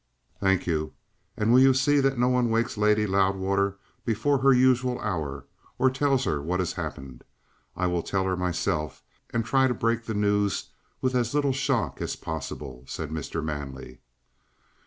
"Thank you. And will you see that no one wakes Lady Loudwater before her usual hour, or tells her what has happened? I will tell her myself and try to break the news with as little of a shock as possible," said Mr. Manley.